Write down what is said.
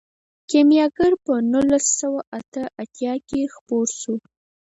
کیمیاګر په نولس سوه اته اتیا کې خپور شو.